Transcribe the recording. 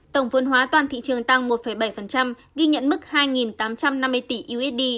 tổng vôn hóa toàn thị trường tăng một bảy ghi nhận mức hai tám trăm năm mươi tỷ usd